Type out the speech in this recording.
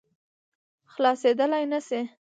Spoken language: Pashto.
خلاصېدلای نه شي.